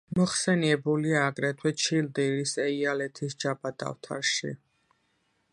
მოხსენიებულია აგრეთვე ჩილდირის ეიალეთის ჯაბა დავთარში.